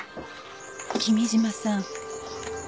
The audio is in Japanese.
君島さん。